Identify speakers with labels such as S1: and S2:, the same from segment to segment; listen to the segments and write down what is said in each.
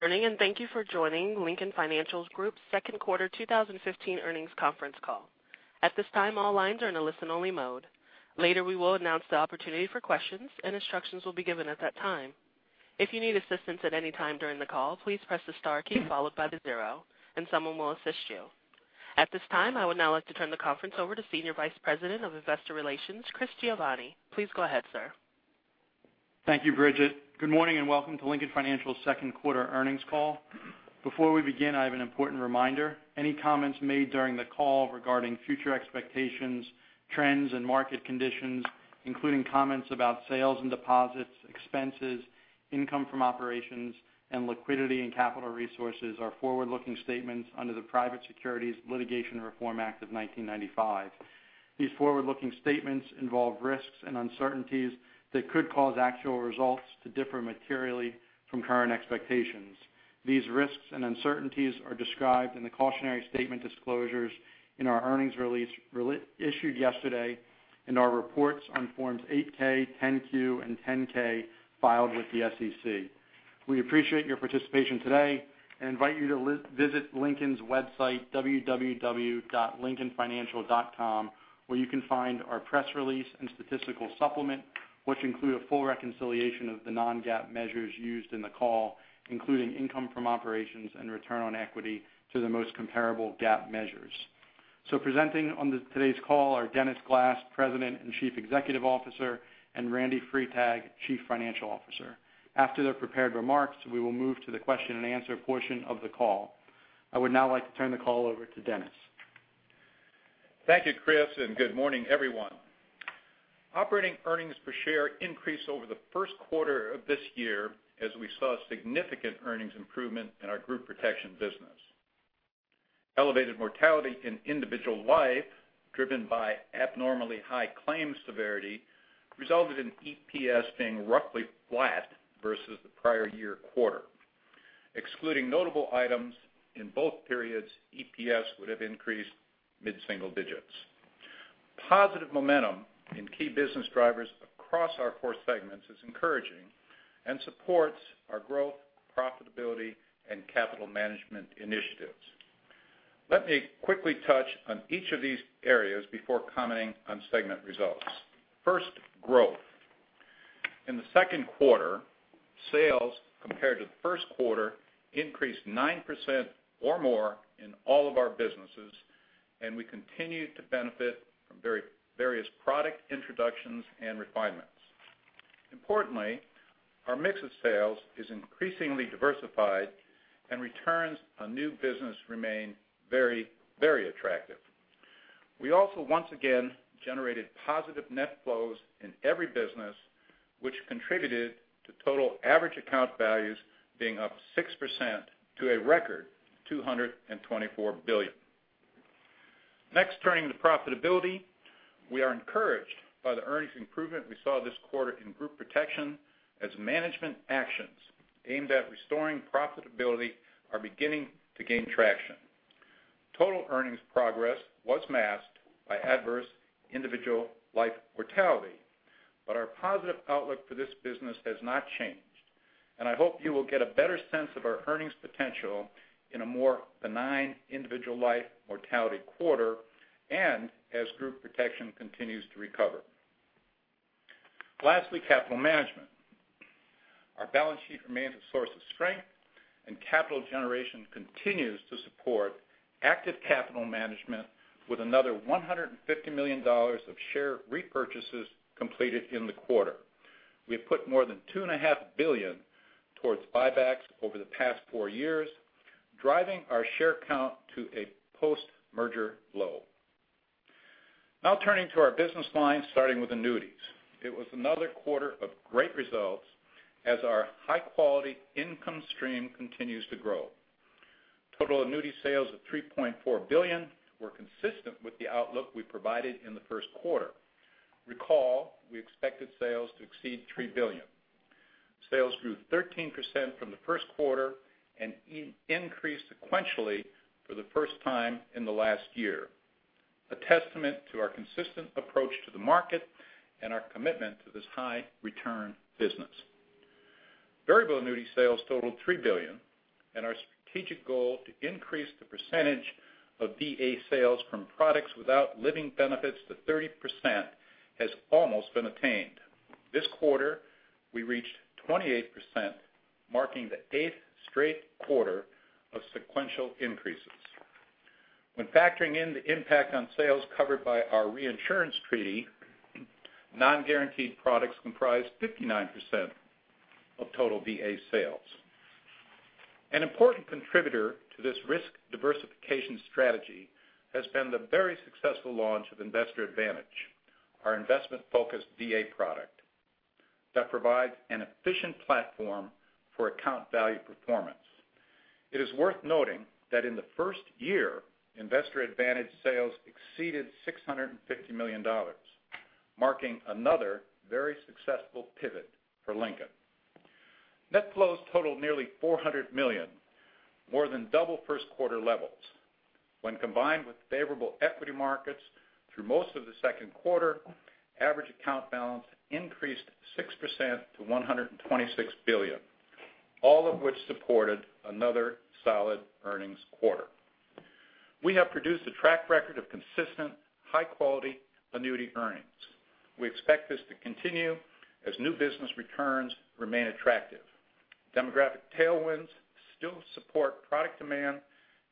S1: Good morning, and thank you for joining Lincoln Financial Group's second quarter 2015 earnings conference call. At this time, all lines are in a listen-only mode. Later, we will announce the opportunity for questions, and instructions will be given at that time. If you need assistance at any time during the call, please press the star key followed by the zero, and someone will assist you. At this time, I would now like to turn the conference over to Senior Vice President of Investor Relations, Chris Giovanni. Please go ahead, sir.
S2: Thank you, Bridget. Good morning and welcome to Lincoln Financial's second quarter earnings call. Before we begin, I have an important reminder. Any comments made during the call regarding future expectations, trends, and market conditions, including comments about sales and deposits, expenses, income from operations, and liquidity and capital resources are forward-looking statements under the Private Securities Litigation Reform Act of 1995. These forward-looking statements involve risks and uncertainties that could cause actual results to differ materially from current expectations. These risks and uncertainties are described in the cautionary statement disclosures in our earnings release issued yesterday, and our reports on forms 8K, 10Q, and 10K filed with the SEC. We appreciate your participation today and invite you to visit Lincoln's website, www.lincolnfinancial.com, where you can find our press release and statistical supplement, which include a full reconciliation of the non-GAAP measures used in the call, including income from operations and return on equity to the most comparable GAAP measures. Presenting on today's call are Dennis Glass, President and Chief Executive Officer, and Randy Freitag, Chief Financial Officer. After their prepared remarks, we will move to the question and answer portion of the call. I would now like to turn the call over to Dennis.
S3: Thank you, Chris, and good morning, everyone. Operating earnings per share increased over the first quarter of this year as we saw significant earnings improvement in our Group Protection business. Elevated mortality in individual life, driven by abnormally high claim severity, resulted in EPS being roughly flat versus the prior year quarter. Excluding notable items in both periods, EPS would have increased mid-single digits. Positive momentum in key business drivers across our core segments is encouraging and supports our growth, profitability, and capital management initiatives. Let me quickly touch on each of these areas before commenting on segment results. First, growth. In the second quarter, sales compared to the first quarter increased 9% or more in all of our businesses, and we continued to benefit from various product introductions and refinements. Importantly, our mix of sales is increasingly diversified and returns on new business remain very, very attractive. We also, once again, generated positive net flows in every business, which contributed to total average account values being up 6% to a record $224 billion. Turning to profitability. We are encouraged by the earnings improvement we saw this quarter in Group Protection as management actions aimed at restoring profitability are beginning to gain traction. Total earnings progress was masked by adverse individual life mortality. Our positive outlook for this business has not changed, and I hope you will get a better sense of our earnings potential in a more benign individual life mortality quarter and as Group Protection continues to recover. Capital management. Our balance sheet remains a source of strength, and capital generation continues to support active capital management with another $150 million of share repurchases completed in the quarter. We put more than $2.5 billion towards buybacks over the past four years, driving our share count to a post-merger low. Turning to our business lines, starting with annuities. It was another quarter of great results as our high-quality income stream continues to grow. Total annuity sales of $3.4 billion were consistent with the outlook we provided in the first quarter. Recall, we expected sales to exceed $3 billion. Sales grew 13% from the first quarter and increased sequentially for the first time in the last year, a testament to our consistent approach to the market and our commitment to this high return business. Variable annuity sales totaled $3 billion, and our strategic goal to increase the percentage of VA sales from products without living benefits to 30% has almost been attained. This quarter, we reached 28%, marking the eighth straight quarter of sequential increases. When factoring in the impact on sales covered by our reinsurance treaty, non-guaranteed products comprised 59% of total VA sales. An important contributor to this risk diversification strategy has been the very successful launch of Investor Advantage, our investment-focused VA product that provides an efficient platform for account value performance. It is worth noting that in the first year, Investor Advantage sales exceeded $650 million, marking another very successful pivot for Lincoln. Net flows totaled nearly $400 million. More than double first quarter levels. When combined with favorable equity markets through most of the second quarter, average account balance increased 6% to $126 billion, all of which supported another solid earnings quarter. We have produced a track record of consistent high quality annuity earnings. We expect this to continue as new business returns remain attractive. Demographic tailwinds still support product demand,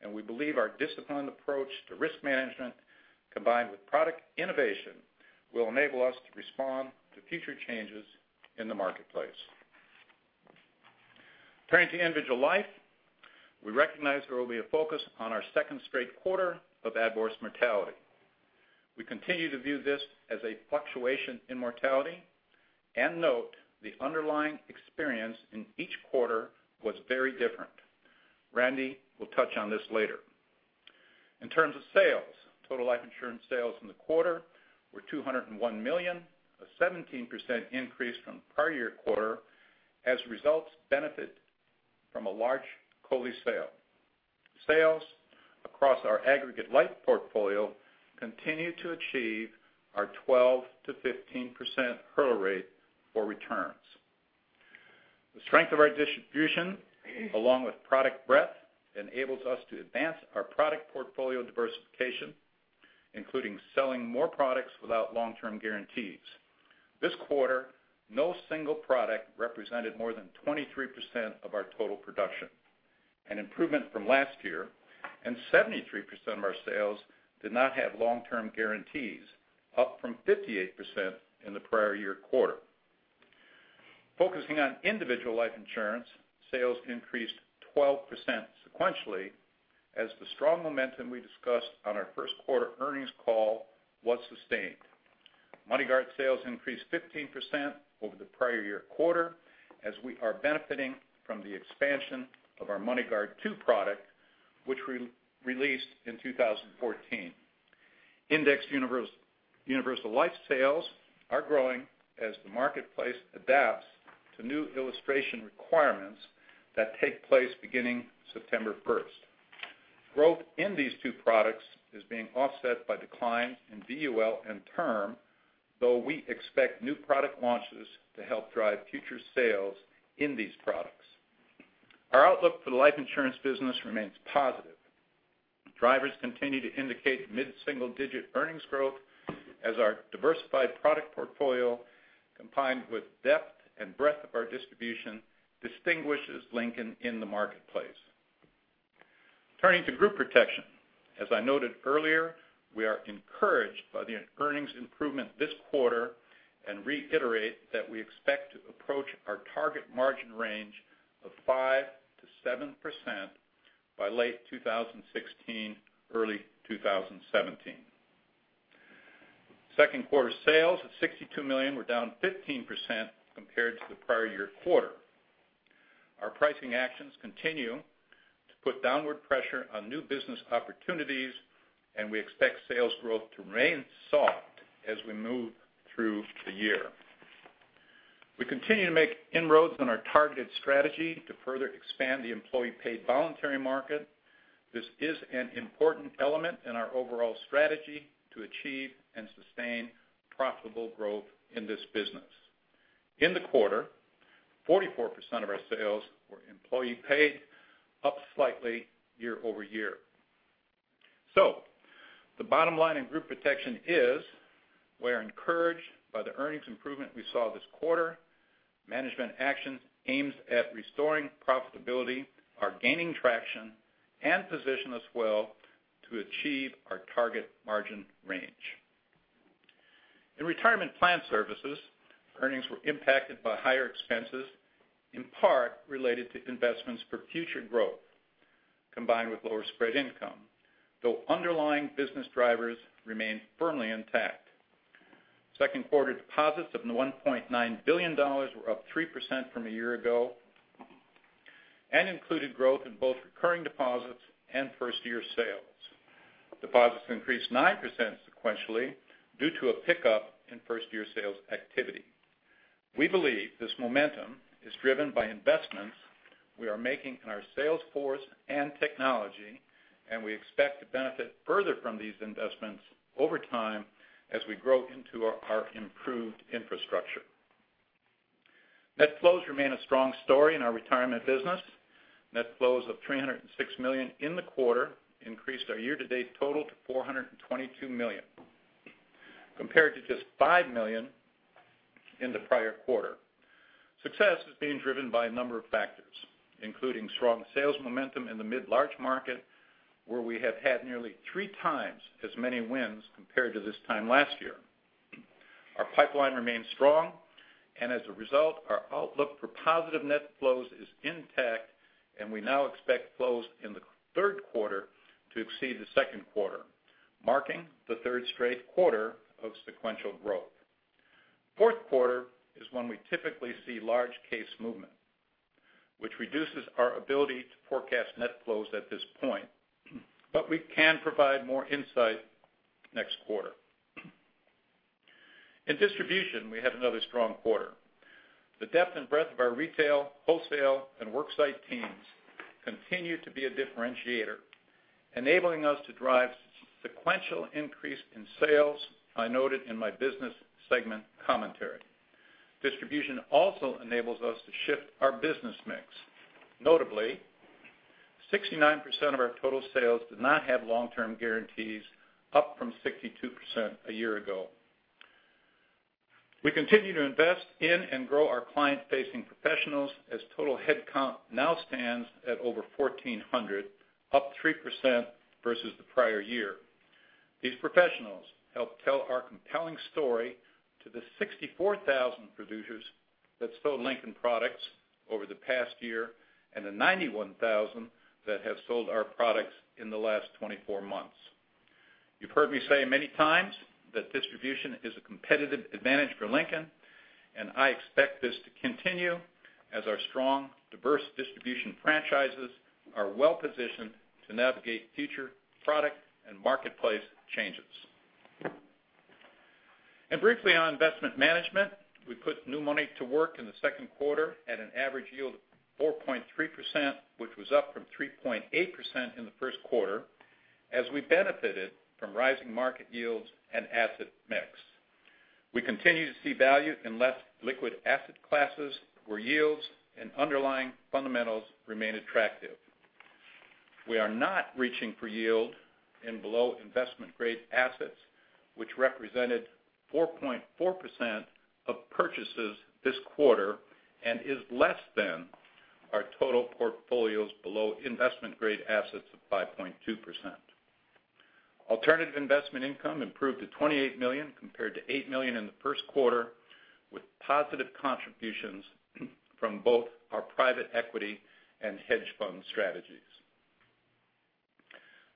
S3: and we believe our disciplined approach to risk management, combined with product innovation, will enable us to respond to future changes in the marketplace. Turning to individual life, we recognize there will be a focus on our second straight quarter of adverse mortality. We continue to view this as a fluctuation in mortality, and note the underlying experience in each quarter was very different. Randy will touch on this later. In terms of sales, total life insurance sales in the quarter were $201 million, a 17% increase from prior year quarter as results benefit from a large COLI sale. Sales across our aggregate life portfolio continue to achieve our 12%-15% hurdle rate for returns. The strength of our distribution, along with product breadth, enables us to advance our product portfolio diversification, including selling more products without long-term guarantees. This quarter, no single product represented more than 23% of our total production, an improvement from last year, and 73% of our sales did not have long-term guarantees, up from 58% in the prior year quarter. Focusing on individual life insurance, sales increased 12% sequentially as the strong momentum we discussed on our first quarter earnings call was sustained. MoneyGuard sales increased 15% over the prior year quarter as we are benefiting from the expansion of our MoneyGuard II product, which we released in 2014. indexed universal life sales are growing as the marketplace adapts to new illustration requirements that take place beginning September 1st. Growth in these two products is being offset by declines in VUL and term, though we expect new product launches to help drive future sales in these products. Our outlook for the life insurance business remains positive. Drivers continue to indicate mid-single-digit earnings growth as our diversified product portfolio, combined with depth and breadth of our distribution, distinguishes Lincoln in the marketplace. Turning to Group Protection. As I noted earlier, we are encouraged by the earnings improvement this quarter and reiterate that we expect to approach our target margin range of 5%-7% by late 2016, early 2017. Second quarter sales of $62 million were down 15% compared to the prior year quarter. Our pricing actions continue to put downward pressure on new business opportunities, we expect sales growth to remain soft as we move through the year. We continue to make inroads on our targeted strategy to further expand the employee paid voluntary market. This is an important element in our overall strategy to achieve and sustain profitable growth in this business. In the quarter, 44% of our sales were employee-paid, up slightly year-over-year. The bottom line in Group Protection is we are encouraged by the earnings improvement we saw this quarter. Management actions aimed at restoring profitability are gaining traction and position us well to achieve our target margin range. In Retirement Plan Services, earnings were impacted by higher expenses, in part related to investments for future growth, combined with lower spread income, though underlying business drivers remain firmly intact. Second quarter deposits of $1.9 billion were up 3% from a year ago and included growth in both recurring deposits and first-year sales. Deposits increased 9% sequentially due to a pickup in first-year sales activity. We believe this momentum is driven by investments we are making in our sales force and technology, we expect to benefit further from these investments over time as we grow into our improved infrastructure. Net flows remain a strong story in our retirement business. Net flows of $306 million in the quarter increased our year-to-date total to $422 million, compared to just $5 million in the prior quarter. Success is being driven by a number of factors, including strong sales momentum in the mid-large market, where we have had nearly three times as many wins compared to this time last year. As a result, our pipeline remains strong, our outlook for positive net flows is intact, we now expect flows in the third quarter to exceed the second quarter, marking the third straight quarter of sequential growth. Fourth quarter is when we typically see large case movement, which reduces our ability to forecast net flows at this point, but we can provide more insight next quarter. In distribution, we had another strong quarter. The depth and breadth of our retail, wholesale, and worksite teams continue to be a differentiator, enabling us to drive sequential increase in sales I noted in my business segment commentary. Distribution also enables us to shift our business mix. Notably, 69% of our total sales did not have long-term guarantees, up from 62% a year ago. We continue to invest in and grow our client-facing professionals as total headcount now stands at over 1,400, up 3% versus the prior year. These professionals help tell our compelling story to the 64,000 producers that sold Lincoln products over the past year and the 91,000 that have sold our products in the last 24 months. You've heard me say many times that distribution is a competitive advantage for Lincoln, I expect this to continue as our strong, diverse distribution franchises are well positioned to navigate future product and marketplace changes. Briefly on investment management, we put new money to work in the second quarter at an average yield of 4.3%, which was up from 3.8% in the first quarter as we benefited from rising market yields and asset mix. We continue to see value in less liquid asset classes where yields and underlying fundamentals remain attractive. We are not reaching for yield in below-investment-grade assets, which represented 4.4% of purchases this quarter and is less than our total portfolios below investment-grade assets of 5.2%. Alternative investment income improved to $28 million compared to $8 million in the first quarter, with positive contributions from both our private equity and hedge fund strategies.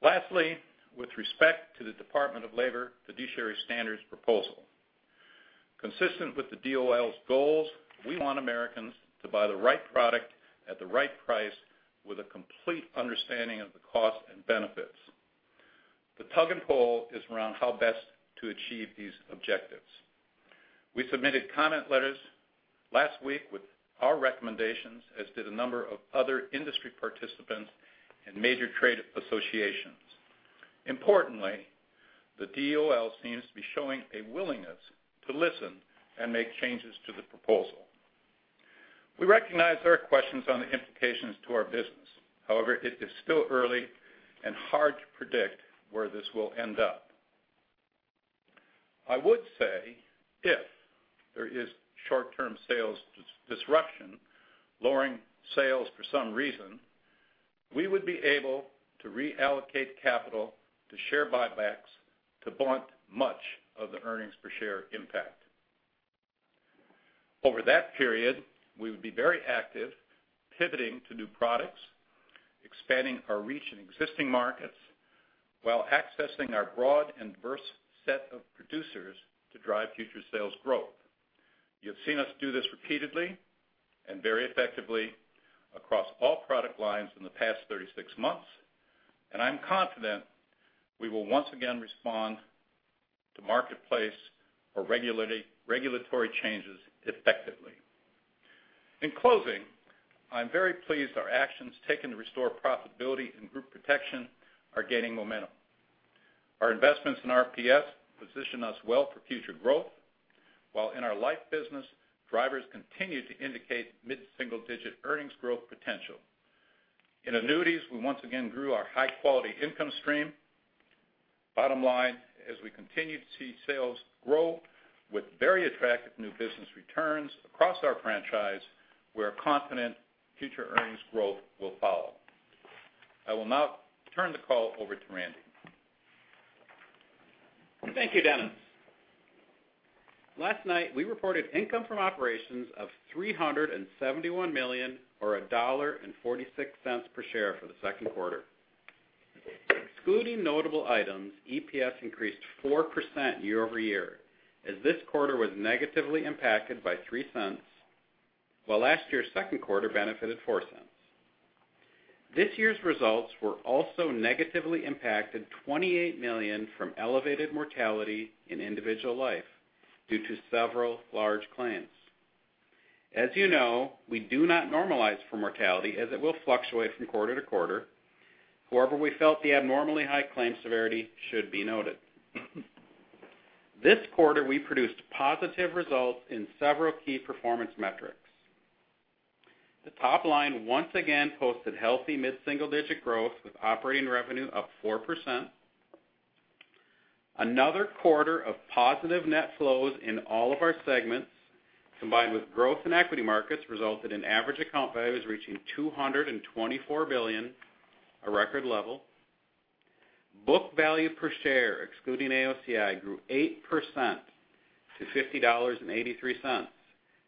S3: Lastly, with respect to the Department of Labor fiduciary standards proposal. Consistent with the DOL's goals, we want Americans to buy the right product at the right price with a complete understanding of the cost and benefits. The tug and pull is around how best to achieve these objectives. We submitted comment letters last week with our recommendations, as did a number of other industry participants and major trade associations. Importantly, the DOL seems to be showing a willingness to listen and make changes to the proposal. We recognize there are questions on the implications to our business. However, it is still early and hard to predict where this will end up. I would say if there is short-term sales disruption, lowering sales for some reason, we would be able to reallocate capital to share buybacks to blunt much of the earnings per share impact. Over that period, we would be very active, pivoting to new products, expanding our reach in existing markets while accessing our broad and diverse set of producers to drive future sales growth. You've seen us do this repeatedly and very effectively across all product lines in the past 36 months, I'm confident we will once again respond to marketplace or regulatory changes effectively. In closing, I'm very pleased our actions taken to restore profitability in Group Protection are gaining momentum. Our investments in RPS position us well for future growth, while in our Life business, drivers continue to indicate mid-single-digit earnings growth potential. In Annuities, we once again grew our high-quality income stream. Bottom line, as we continue to see sales grow with very attractive new business returns across our franchise, we're confident future earnings growth will follow. I will now turn the call over to Randy.
S4: Thank you, Dennis. Last night, we reported income from operations of $371 million or $1.46 per share for the second quarter. Excluding notable items, EPS increased 4% year-over-year as this quarter was negatively impacted by $0.03, while last year's second quarter benefited $0.04. This year's results were also negatively impacted $28 million from elevated mortality in Individual Life due to several large claims. As you know, we do not normalize for mortality as it will fluctuate from quarter-to-quarter. However, we felt the abnormally high claim severity should be noted. This quarter, we produced positive results in several key performance metrics. The top line once again posted healthy mid-single-digit growth with operating revenue up 4%. Another quarter of positive net flows in all of our segments, combined with growth in equity markets, resulted in average account values reaching $224 billion, a record level. Book value per share, excluding AOCI, grew 8% to $50.83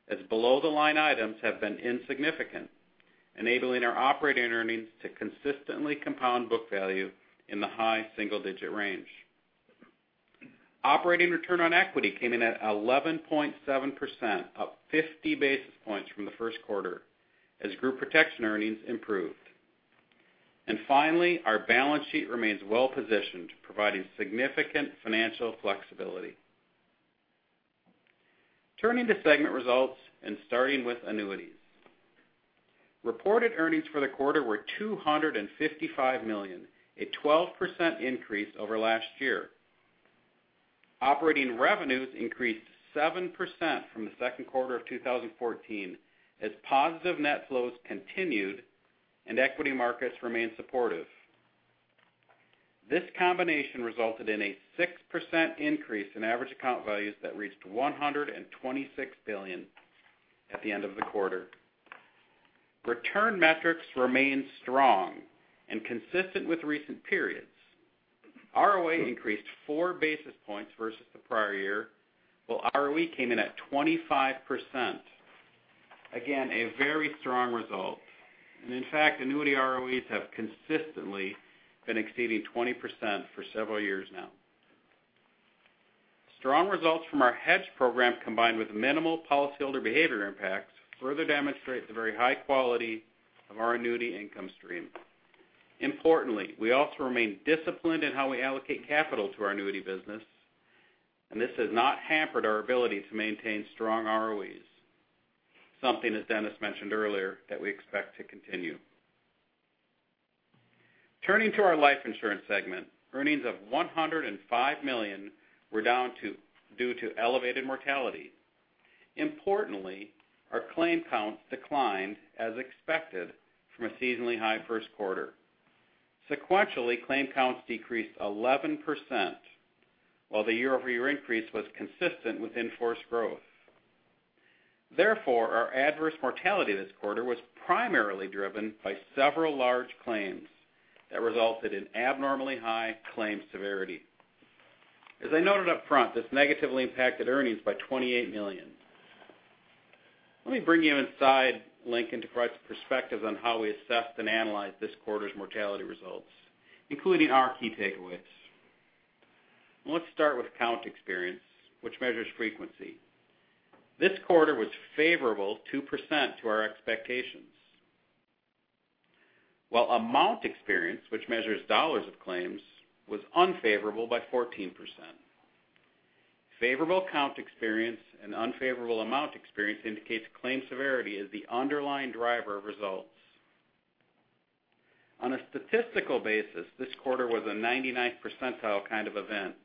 S4: as below the line items have been insignificant, enabling our operating earnings to consistently compound book value in the high single-digit range. Operating return on equity came in at 11.7%, up 50 basis points from the first quarter as Group Protection earnings improved. Finally, our balance sheet remains well-positioned, providing significant financial flexibility. Turning to segment results and starting with annuities. Reported earnings for the quarter were $255 million, a 12% increase over last year. Operating revenues increased 7% from the second quarter of 2014 as positive net flows continued and equity markets remained supportive. This combination resulted in a 6% increase in average account values that reached $126 billion at the end of the quarter. Return metrics remained strong and consistent with recent periods. ROA increased 4 basis points versus the prior year, while ROE came in at 25%. Again, a very strong result. In fact, annuity ROEs have consistently been exceeding 20% for several years now. Strong results from our hedge program, combined with minimal policyholder behavior impacts, further demonstrate the very high quality of our annuity income stream. Importantly, we also remain disciplined in how we allocate capital to our annuity business, and this has not hampered our ability to maintain strong ROEs. Something, as Dennis mentioned earlier, that we expect to continue. Turning to our life insurance segment, earnings of $105 million were down due to elevated mortality. Importantly, our claim counts declined as expected from a seasonally high first quarter. Sequentially, claim counts decreased 11%, while the year-over-year increase was consistent with in-force growth. Our adverse mortality this quarter was primarily driven by several large claims that resulted in abnormally high claim severity. As I noted up front, this negatively impacted earnings by $28 million. Let me bring you inside Lincoln to provide some perspective on how we assessed and analyzed this quarter's mortality results, including our key takeaways. Let's start with count experience, which measures frequency. This quarter was favorable 2% to our expectations, while amount experience, which measures dollars of claims, was unfavorable by 14%. Favorable count experience and unfavorable amount experience indicates claim severity is the underlying driver of results. On a statistical basis, this quarter was a 99th percentile kind of event,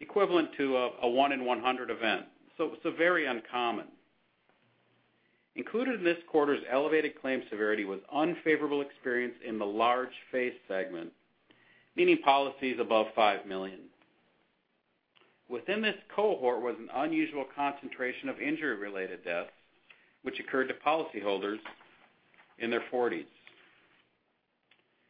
S4: equivalent to a one in 100 event, so very uncommon. Included in this quarter's elevated claim severity was unfavorable experience in the large face segment, meaning policies above $5 million. Within this cohort was an unusual concentration of injury-related deaths, which occurred to policyholders in their 40s.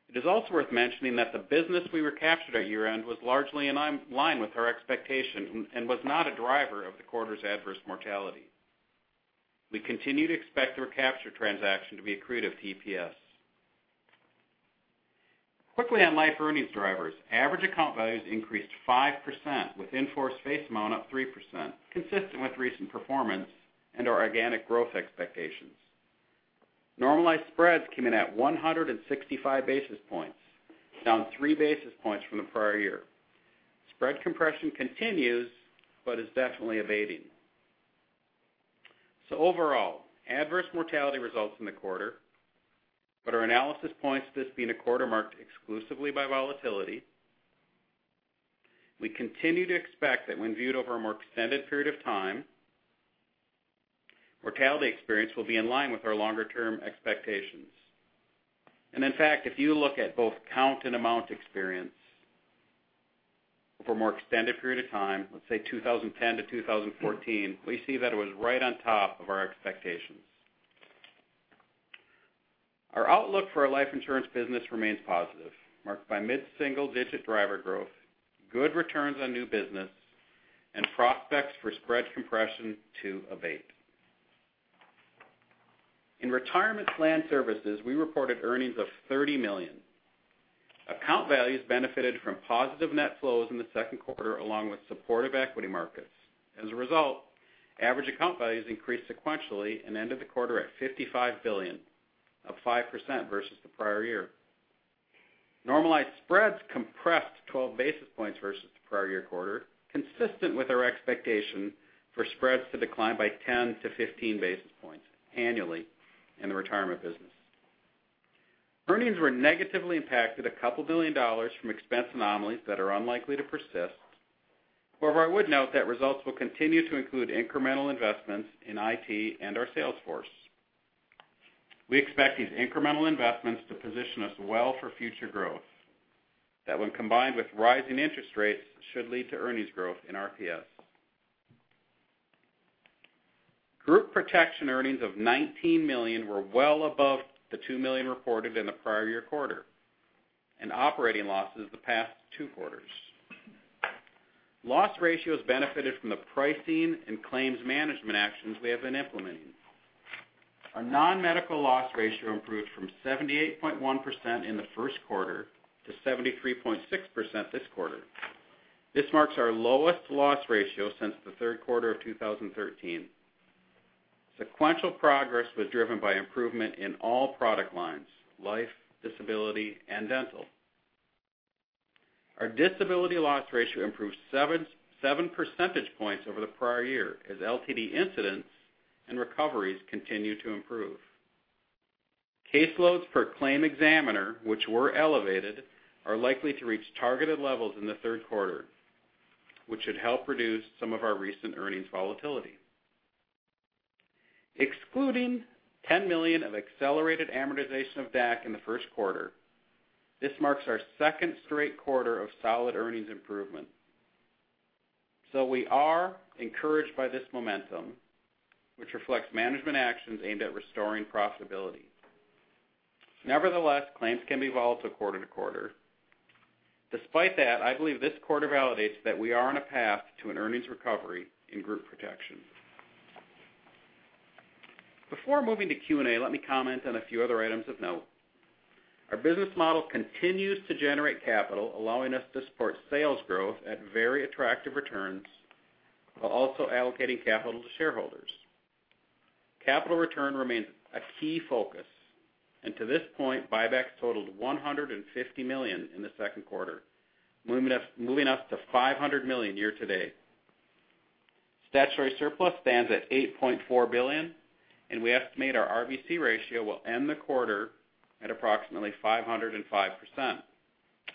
S4: It is also worth mentioning that the business we recaptured at year-end was largely in line with our expectation and was not a driver of the quarter's adverse mortality. We continue to expect the recapture transaction to be accretive to EPS. Quickly on life earnings drivers. Average account values increased 5%, with in-force face amount up 3%, consistent with recent performance and our organic growth expectations. Normalized spreads came in at 165 basis points, down three basis points from the prior year. Spread compression continues, is definitely abating. Overall, adverse mortality results in the quarter, our analysis points to this being a quarter marked exclusively by volatility. We continue to expect that when viewed over a more extended period of time, mortality experience will be in line with our longer-term expectations. In fact, if you look at both count and amount experience for a more extended period of time, let's say 2010 to 2014, we see that it was right on top of our expectations. Our outlook for our life insurance business remains positive, marked by mid-single-digit driver growth, good returns on new business, and prospects for spread compression to abate. In Retirement Plan Services, we reported earnings of $30 million. Account values benefited from positive net flows in the second quarter, along with supportive equity markets. As a result, average account values increased sequentially and ended the quarter at $55 billion, up 5% versus the prior year. Normalized spreads compressed 12 basis points versus the prior year quarter, consistent with our expectation for spreads to decline by 10 to 15 basis points annually in the retirement business. Earnings were negatively impacted a couple million dollars from expense anomalies that are unlikely to persist. However, I would note that results will continue to include incremental investments in IT and our sales force. We expect these incremental investments to position us well for future growth, that when combined with rising interest rates, should lead to earnings growth in RPS. Group Protection earnings of $19 million were well above the $2 million reported in the prior year quarter, operating losses the past two quarters. Loss ratios benefited from the pricing and claims management actions we have been implementing. Our non-medical loss ratio improved from 78.1% in the first quarter to 73.6% this quarter. This marks our lowest loss ratio since the third quarter of 2013. Sequential progress was driven by improvement in all product lines, life, disability, and dental. Our disability loss ratio improved seven percentage points over the prior year as LTD incidents and recoveries continue to improve. Caseloads per claim examiner, which were elevated, are likely to reach targeted levels in the third quarter, which should help reduce some of our recent earnings volatility. Excluding $10 million of accelerated amortization of DAC in the first quarter, this marks our second straight quarter of solid earnings improvement. We are encouraged by this momentum, which reflects management actions aimed at restoring profitability. Nevertheless, claims can be volatile quarter to quarter. Despite that, I believe this quarter validates that we are on a path to an earnings recovery in Group Protection. Before moving to Q&A, let me comment on a few other items of note. Our business model continues to generate capital, allowing us to support sales growth at very attractive returns, while also allocating capital to shareholders. Capital return remains a key focus, and to this point, buybacks totaled $150 million in the second quarter, moving us to $500 million year to date. Statutory surplus stands at $8.4 billion, and we estimate our RBC ratio will end the quarter at approximately 505%,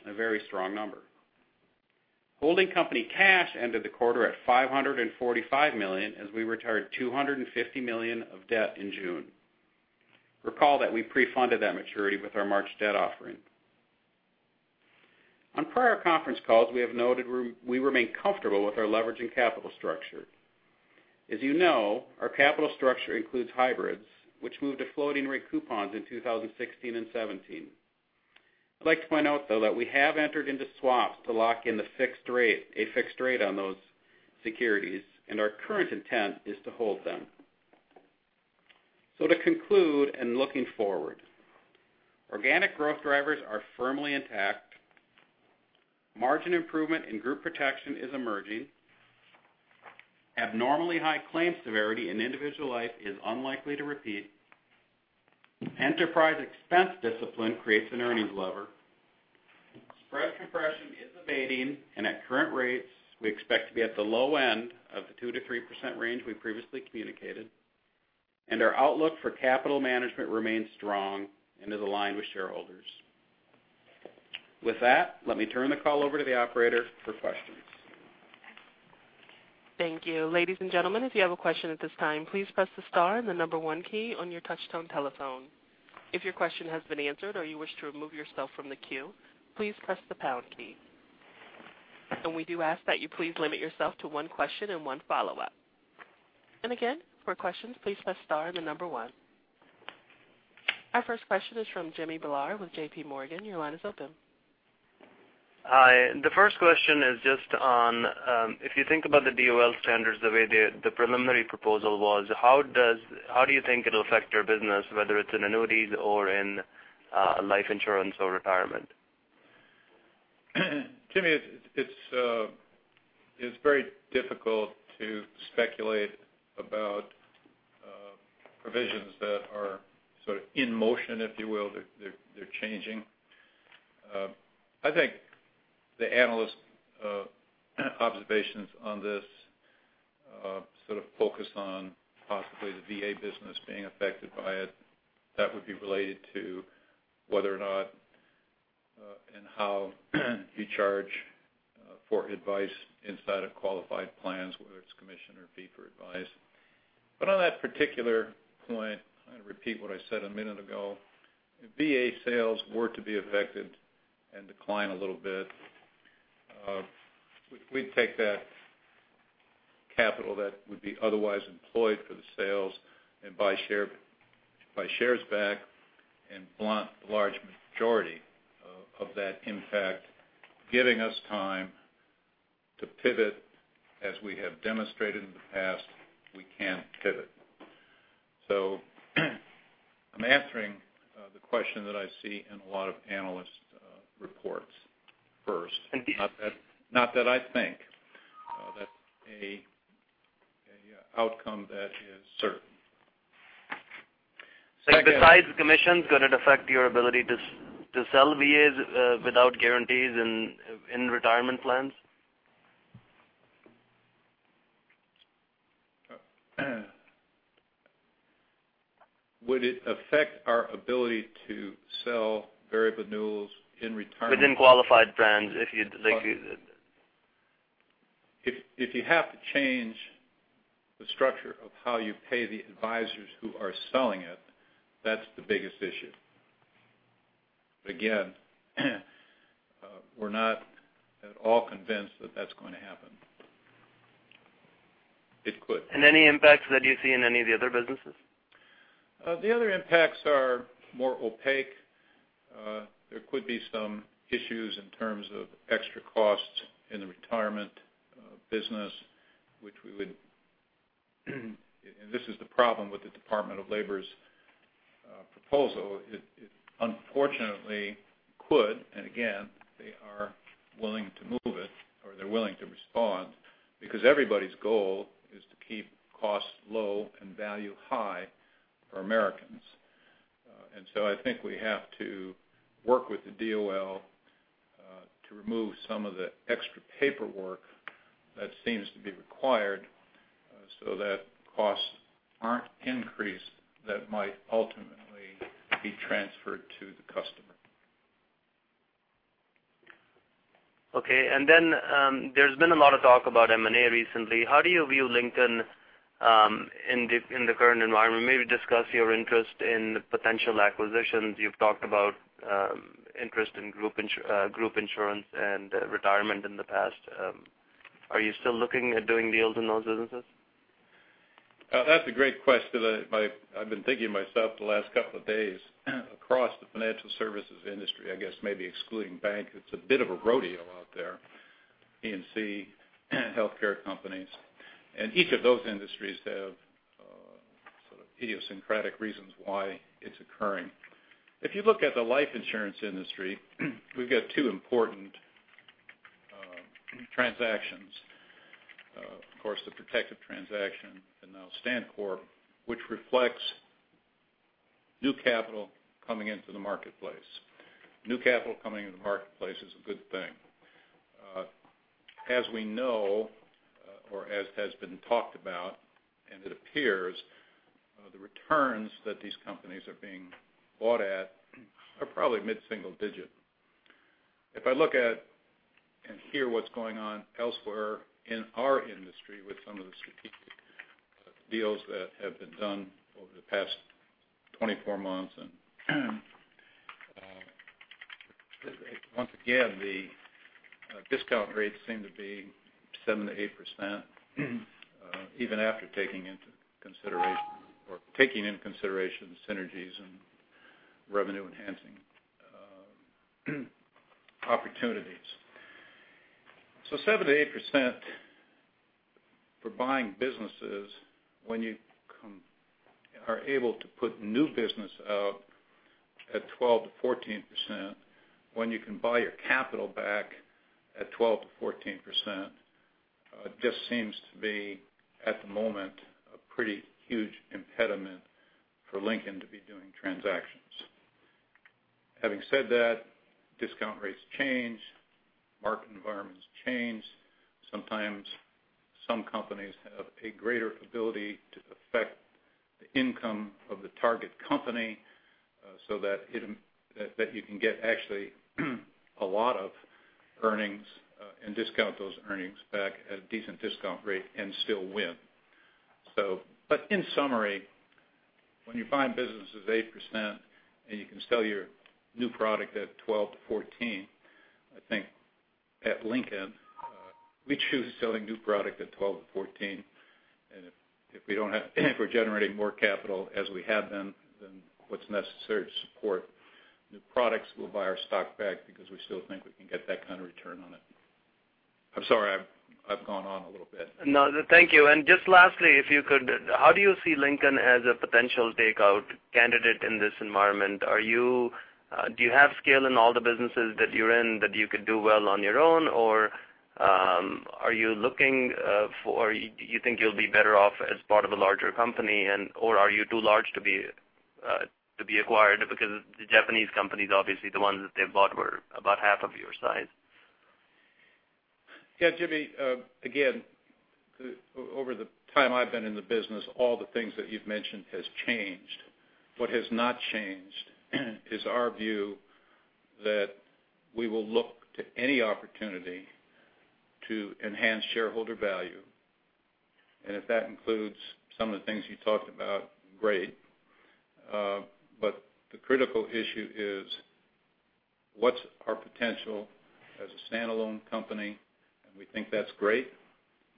S4: a very strong number. Holding company cash ended the quarter at $545 million, as we retired $250 million of debt in June. Recall that we pre-funded that maturity with our March debt offering. On prior conference calls, we have noted we remain comfortable with our leverage and capital structure. As you know, our capital structure includes hybrids, which moved to floating rate coupons in 2016 and 2017. I'd like to point out, though, that we have entered into swaps to lock in a fixed rate on those securities, and our current intent is to hold them. To conclude, and looking forward, organic growth drivers are firmly intact. Margin improvement in Group Protection is emerging. Abnormally high claim severity in individual life is unlikely to repeat. Enterprise expense discipline creates an earnings lever. Spread compression is abating, and at current rates, we expect to be at the low end of the 2%-3% range we previously communicated. Our outlook for capital management remains strong and is aligned with shareholders. With that, let me turn the call over to the operator for questions.
S1: Thank you. Ladies and gentlemen, if you have a question at this time, please press the star and the number one key on your touch-tone telephone. If your question has been answered or you wish to remove yourself from the queue, please press the pound key. We do ask that you please limit yourself to one question and one follow-up. Again, for questions, please press star and the number one. Our first question is from Jimmy Bhullar with JPMorgan. Your line is open.
S5: Hi. The first question is just on, if you think about the DOL standards, the way the preliminary proposal was, how do you think it'll affect your business, whether it's in annuities or in life insurance or retirement?
S4: Jimmy, it's very difficult to speculate about provisions that are in motion, if you will. They're changing. I think the analyst observations on this focus on possibly the VA business being affected by it. That would be related to whether or not, and how you charge for advice inside of qualified plans, whether it's commission or fee for advice. On that particular point, I repeat what I said a minute ago. If VA sales were to be affected and decline a little bit, we'd take that capital that would be otherwise employed for the sales and buy shares back and blunt the large majority of that impact, giving us time to pivot as we have demonstrated in the past, we can pivot. I'm answering the question that I see in a lot of analyst reports first.
S5: Thank you.
S4: Not that I think that's a outcome that is certain.
S5: Besides commissions, could it affect your ability to sell VAs without guarantees in retirement plans?
S4: Would it affect our ability to sell variable annuities in retirement?
S5: Within qualified plans, if you'd like.
S4: If you have to change the structure of how you pay the advisors who are selling it, that's the biggest issue. We're not at all convinced that that's going to happen. It could.
S5: Any impacts that you see in any of the other businesses?
S4: The other impacts are more opaque. There could be some issues in terms of extra costs in the retirement business. This is the problem with the Department of Labor's
S3: Proposal, it unfortunately could, and again, they are willing to move it, or they're willing to respond, because everybody's goal is to keep costs low and value high for Americans. I think we have to work with the DOL to remove some of the extra paperwork that seems to be required so that costs aren't increased that might ultimately be transferred to the customer.
S5: There's been a lot of talk about M&A recently. How do you view Lincoln in the current environment? Maybe discuss your interest in potential acquisitions. You've talked about interest in group insurance and retirement in the past. Are you still looking at doing deals in those businesses?
S3: That's a great question that I've been thinking to myself the last couple of days. Across the financial services industry, I guess maybe excluding bank, it's a bit of a rodeo out there. P&C healthcare companies. Each of those industries have sort of idiosyncratic reasons why it's occurring. If you look at the life insurance industry, we've got two important transactions. Of course, the Protective transaction and now StanCorp, which reflects new capital coming into the marketplace. New capital coming into the marketplace is a good thing. As we know, or as has been talked about, and it appears the returns that these companies are being bought at are probably mid-single digit. If I look at and hear what's going on elsewhere in our industry with some of the strategic deals that have been done over the past 24 months and, once again, the discount rates seem to be 7%-8%, even after taking into consideration synergies and revenue-enhancing opportunities. 7%-8% for buying businesses, when you are able to put new business out at 12%-14%, when you can buy your capital back at 12%-14%, just seems to be, at the moment, a pretty huge impediment for Lincoln to be doing transactions. Having said that, discount rates change, market environments change. Sometimes, some companies have a greater ability to affect the income of the target company so that you can get actually a lot of earnings and discount those earnings back at a decent discount rate and still win. In summary, when you buy businesses 8% and you can sell your new product at 12%-14%, I think at Lincoln, we choose selling new product at 12%-14%, and if we're generating more capital as we have been than what's necessary to support new products, we'll buy our stock back because we still think we can get that kind of return on it. I'm sorry, I've gone on a little bit.
S5: No, thank you. Just lastly, if you could, how do you see Lincoln as a potential takeout candidate in this environment? Do you have scale in all the businesses that you're in that you could do well on your own? Do you think you'll be better off as part of a larger company? Are you too large to be acquired? The Japanese companies, obviously the ones that they've bought were about half of your size.
S3: Yeah, Jimmy. Again, over the time I've been in the business, all the things that you've mentioned has changed. What has not changed is our view that we will look to any opportunity to enhance shareholder value, and if that includes some of the things you talked about, great. The critical issue is what's our potential as a standalone company, and we think that's great.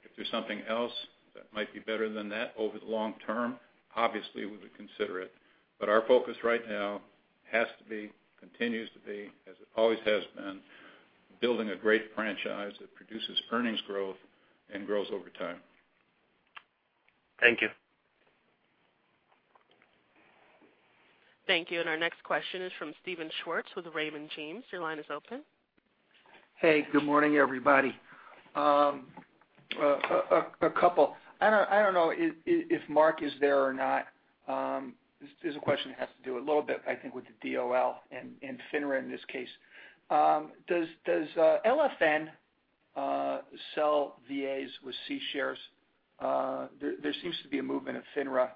S3: If there's something else that might be better than that over the long term, obviously we would consider it. Our focus right now has to be, continues to be, as it always has been, building a great franchise that produces earnings growth and grows over time.
S5: Thank you.
S1: Thank you. Our next question is from Steven Schwartz with Raymond James. Your line is open.
S6: Hey, good morning, everybody. A couple. I don't know if Mark is there or not. This is a question that has to do a little bit, I think, with the DOL and FINRA in this case. Does LNC sell VAs with C shares? There seems to be a movement of FINRA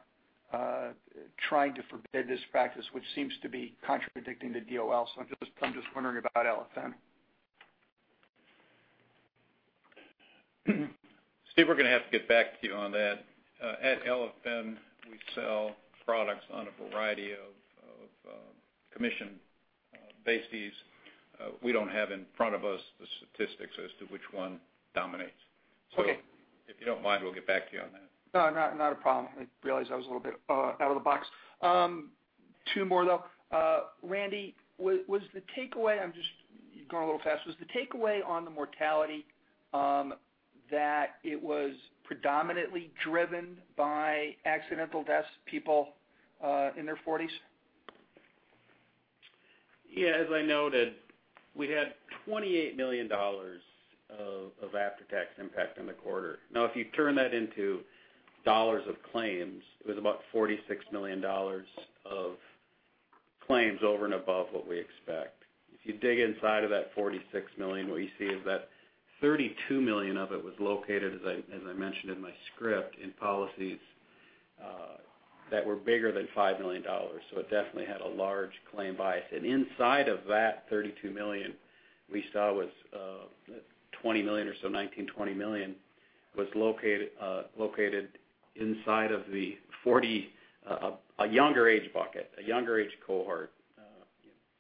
S6: trying to forbid this practice, which seems to be contradicting the DOL. I'm just wondering about LNC.
S3: Steve, we're going to have to get back to you on that. At LNC, we sell products on a variety of commission base fees. We don't have in front of us the statistics as to which one dominates.
S6: Okay.
S3: If you don't mind, we'll get back to you on that.
S6: No, not a problem. I realize that was a little bit out of the box. Two more, though Randy. I'm just going a little fast. Was the takeaway on the mortality that it was predominantly driven by accidental deaths, people in their 40s?
S4: Yeah, as I noted, we had $28 million of after-tax impact in the quarter. If you turn that into dollars of claims, it was about $46 million of claims over and above what we expect. If you dig inside of that $46 million, what you see is that $32 million of it was located, as I mentioned in my script, in policies that were bigger than $5 million. It definitely had a large claim bias. Inside of that $32 million, we saw was $20 million or so, $19, $20 million, was located inside of the 40, a younger age bucket, a younger age cohort,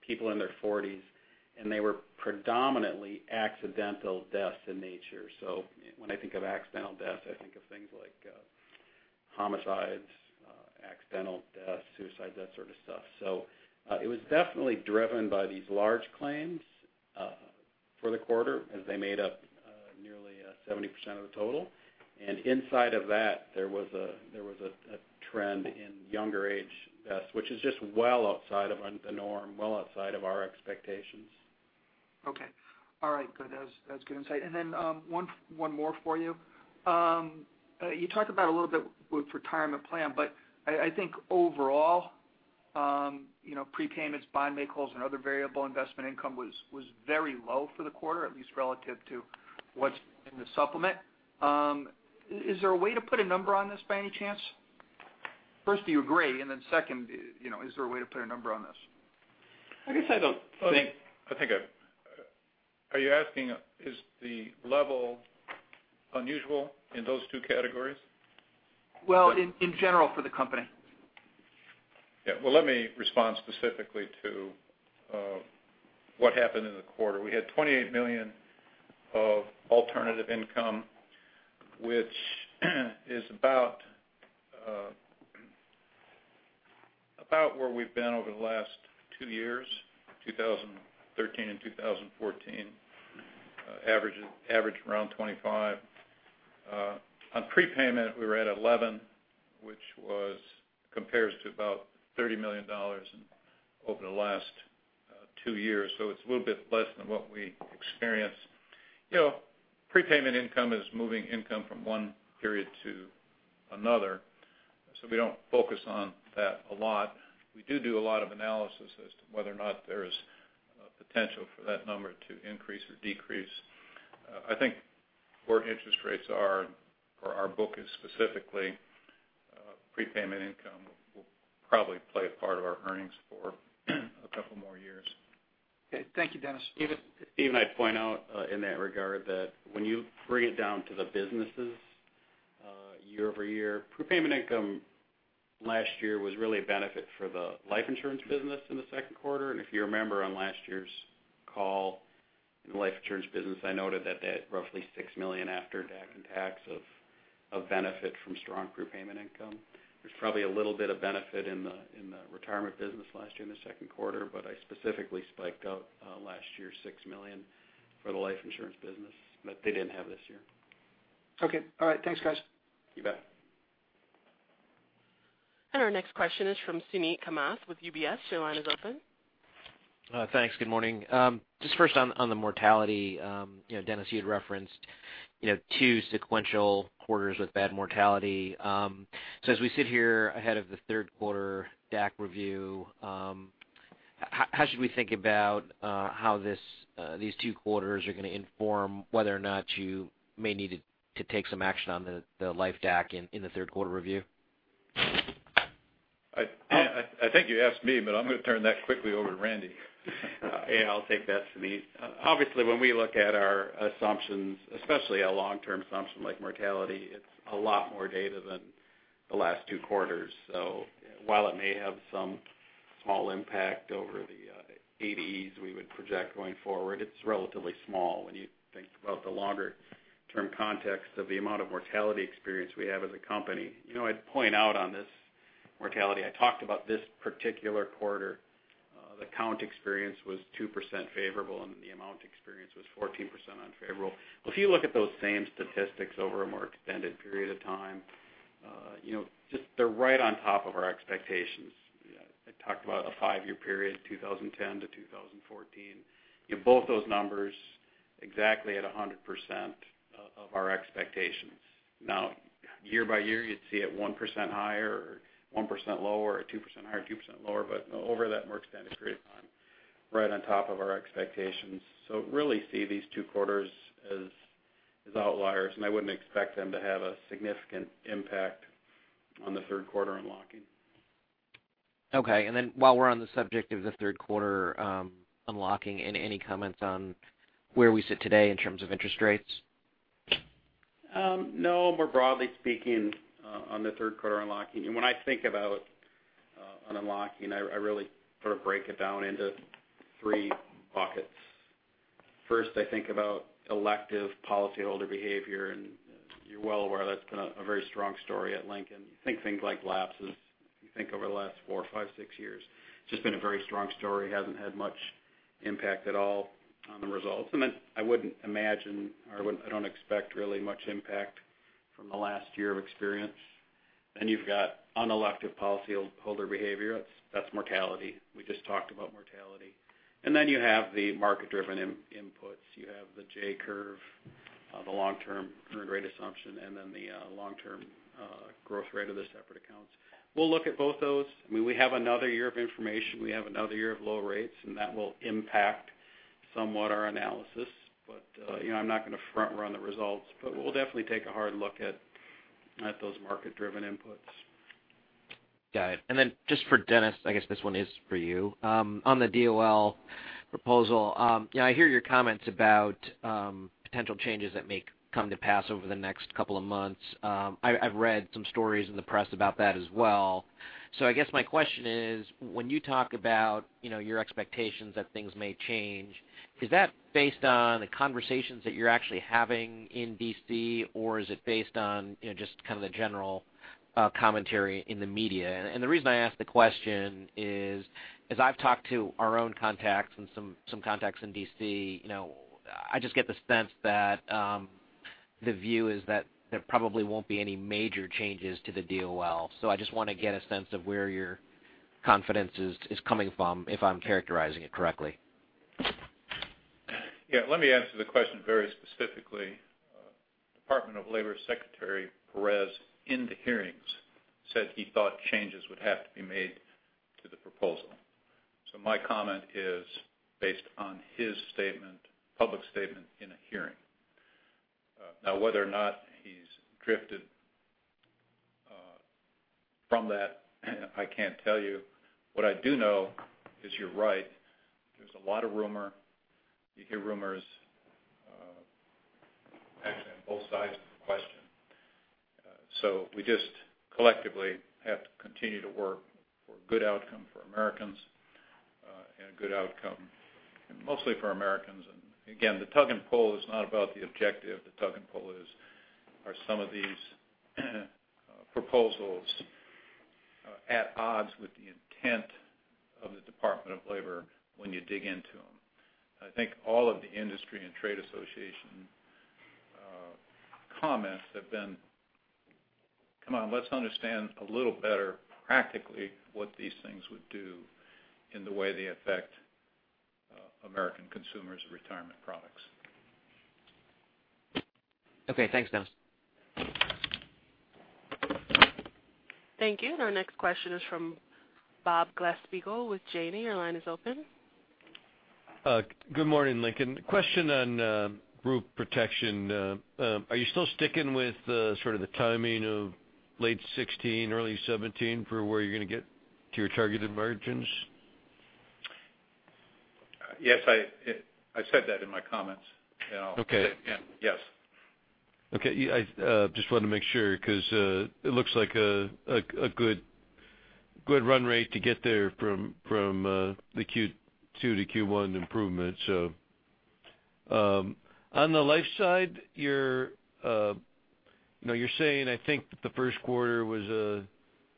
S4: people in their 40s, and they were predominantly accidental deaths in nature. When I think of accidental deaths, I think of things like homicides, accidental deaths, suicide, that sort of stuff. It was definitely driven by these large claims for the quarter as they made up nearly 70% of the total. Inside of that, there was a trend in younger age deaths, which is just well outside of the norm, well outside of our expectations.
S6: Okay. All right, good. That's good insight. Then one more for you. You talked about a little bit with retirement plan, but I think overall, prepayments, buy and make-wholes and other variable investment income was very low for the quarter, at least relative to what's in the supplement. Is there a way to put a number on this by any chance? First, do you agree? Then second, is there a way to put a number on this?
S4: I guess I don't think-
S3: Are you asking, is the level unusual in those two categories?
S6: Well, in general for the company.
S3: Yeah. Well, let me respond specifically to what happened in the quarter. We had $28 million of alternative income, which is about where we've been over the last two years, 2013 and 2014, average around $25 million. On prepayment, we were at $11 million, which compares to about $30 million over the last two years. It's a little bit less than what we experienced. Prepayment income is moving income from one period to another, so we don't focus on that a lot. We do a lot of analysis as to whether or not there is a potential for that number to increase or decrease. I think where interest rates are for our book is specifically prepayment income will probably play a part of our earnings for a couple more years.
S6: Okay. Thank you, Dennis.
S4: Steven, I'd point out in that regard that when you bring it down to the businesses year-over-year, prepayment income last year was really a benefit for the life insurance business in the second quarter. If you remember on last year's call in the life insurance business, I noted that roughly $6 million after tax of benefit from strong prepayment income. There's probably a little bit of benefit in the retirement business last year in the second quarter, but I specifically spiked out last year $6 million for the life insurance business that they didn't have this year.
S6: Okay. All right. Thanks, guys.
S4: You bet.
S1: Our next question is from Suneet Kamath with UBS. Your line is open.
S7: Thanks. Good morning. Just first on the mortality, Dennis, you had referenced two sequential quarters with bad mortality. As we sit here ahead of the third quarter DAC review, how should we think about how these two quarters are going to inform whether or not you may need to take some action on the life DAC in the third quarter review?
S3: I think you asked me, but I'm going to turn that quickly over to Randy.
S4: Yeah, I'll take that, Suneet. Obviously, when we look at our assumptions, especially a long-term assumption like mortality, it's a lot more data than the last two quarters. While it may have some small impact over the ADs we would project going forward, it's relatively small when you think about the longer-term context of the amount of mortality experience we have as a company. I'd point out on this mortality, I talked about this particular quarter the count experience was 2% favorable, and the amount experience was 14% unfavorable. If you look at those same statistics over a more extended period of time, they're right on top of our expectations. I talked about a five-year period, 2010 to 2014. Both those numbers exactly at 100% of our expectations. Now, year by year, you'd see it 1% higher or 1% lower or 2% higher, 2% lower. Over that more extended period of time, right on top of our expectations. Really see these two quarters as outliers, and I wouldn't expect them to have a significant impact on the third quarter unlocking.
S7: Okay. While we're on the subject of the third quarter unlocking, any comments on where we sit today in terms of interest rates?
S4: No, more broadly speaking on the third quarter unlocking, when I think about an unlocking, I really sort of break it down into three buckets. First, I think about elective policyholder behavior, and you're well aware that's been a very strong story at Lincoln. Think things like lapses. You think over the last four, five, six years, it's just been a very strong story. Hasn't had much impact at all on the results. I wouldn't imagine or I don't expect really much impact from the last year of experience. You've got unelective policyholder behavior. That's mortality. We just talked about mortality. You have the market-driven inputs. You have the J-curve, the long-term current rate assumption, and then the long-term growth rate of the separate accounts. We'll look at both those. We have another year of information. We have another year of low rates, that will impact somewhat our analysis. I'm not going to front-run the results, we'll definitely take a hard look at those market-driven inputs.
S7: Got it. Then just for Dennis, I guess this one is for you. On the DOL proposal, I hear your comments about potential changes that may come to pass over the next couple of months. I've read some stories in the press about that as well. I guess my question is, when you talk about your expectations that things may change, is that based on the conversations that you're actually having in D.C. or is it based on just the general commentary in the media? The reason I ask the question is, as I've talked to our own contacts and some contacts in D.C., I just get the sense that the view is that there probably won't be any major changes to the DOL. I just want to get a sense of where your confidence is coming from, if I'm characterizing it correctly.
S3: Yeah. Let me answer the question very specifically. Department of Labor Secretary Perez in the hearings said he thought changes would have to be made to the proposal. My comment is based on his public statement in a hearing. Whether or not he's drifted from that, I can't tell you. What I do know is you're right. There's a lot of rumor. You hear rumors, actually on both sides of the question. We just collectively have to continue to work for a good outcome for Americans and a good outcome mostly for Americans. Again, the tug and pull is not about the objective. The tug and pull are some of these proposals at odds with the intent of the Department of Labor when you dig into them. I think all of the industry and trade association comments have been, come on, let's understand a little better practically what these things would do in the way they affect American consumers of retirement products.
S7: Okay. Thanks, Dennis.
S1: Thank you. Our next question is from Robert Glasspiegel with Janney. Your line is open.
S8: Good morning, Lincoln. Question on Group Protection. Are you still sticking with the timing of late 2016, early 2017 for where you're going to get to your targeted margins?
S3: Yes, I said that in my comments.
S8: Okay.
S3: Yes.
S8: I just wanted to make sure because it looks like a good run rate to get there from the Q2 to Q1 improvement. On the life side, you're saying, I think that the first quarter was a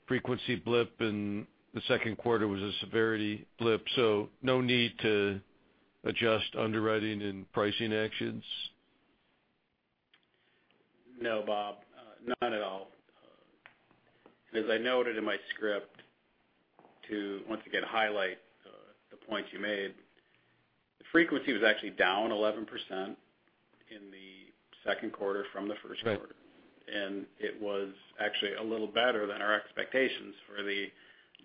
S8: frequency blip and the second quarter was a severity blip, so no need to adjust underwriting and pricing actions?
S4: No, Bob, not at all. As I noted in my script, to once again highlight the point you made, the frequency was actually down 11% in the second quarter from the first quarter.
S8: Right.
S4: It was actually a little better than our expectations for the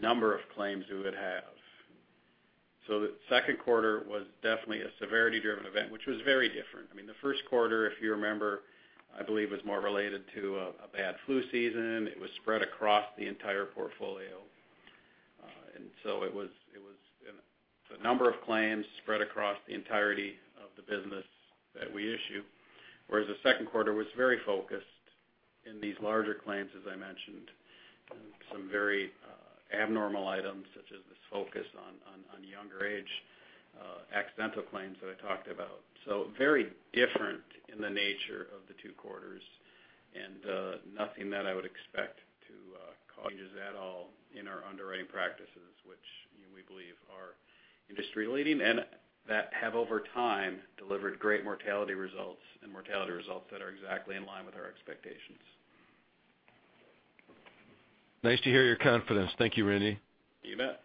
S4: number of claims we would have. The second quarter was definitely a severity-driven event, which was very different. The first quarter, if you remember, I believe, was more related to a bad flu season. It was spread across the entire portfolio. It was the number of claims spread across the entirety of the business that we issue, whereas the second quarter was very focused in these larger claims, as I mentioned, and some very abnormal items such as this focus on younger age accidental claims that I talked about. Very different in the nature of the two quarters and nothing that I would expect to cause changes at all in our underwriting practices, which we believe are industry leading and that have over time delivered great mortality results and mortality results that are exactly in line with our expectations.
S8: Nice to hear your confidence. Thank you, Randy.
S4: You bet.